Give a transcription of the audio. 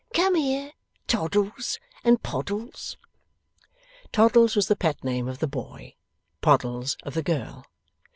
Come here, Toddles and Poddles.' Toddles was the pet name of the boy; Poddles of the girl.